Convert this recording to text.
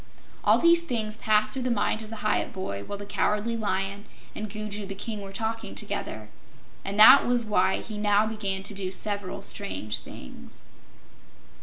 All these things passed through the mind of the Hyup boy while the Cowardly Lion and Gugu the King were talking together, and that was why he now began to do several strange things.